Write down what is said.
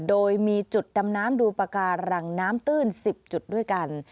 โดยมีจุดดำน้ำดูปากการังน้ำตื้น๑๐จุดด้วยกัน